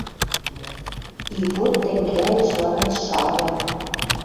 И вот тӹнгӓлеш вара шаям!